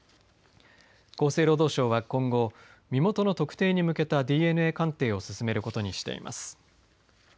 厚生労働省は今後身元の特定に向けたＤＮＡ鑑定を進めることにしています。